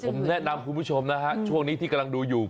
ผมแนะนำคุณผู้ชมนะฮะช่วงนี้ที่กำลังดูอยู่